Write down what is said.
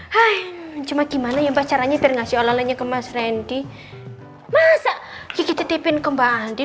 hai hai cuma gimana ya pacarnya bergasi olahnya ke mas rendy masa kita tipin kembali